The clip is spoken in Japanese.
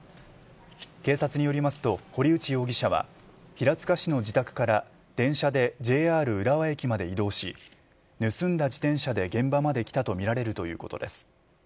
警察によりますと堀内容疑者は平塚市の自宅から電車でＪＲ浦和駅まで移動し盗んだ自転車で現場まで来たとみられるということです。